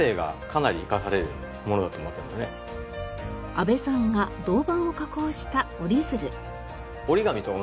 阿部さんが銅板を加工した折り鶴。